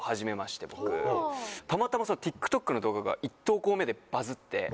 たまたまそのＴｉｋＴｏｋの動画が１投稿目でバズって。